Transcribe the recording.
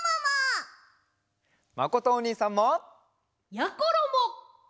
まことおにいさんも！やころも！